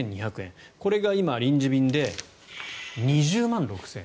これが今、臨時便で２０万６０００円。